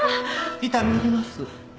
痛み入ります。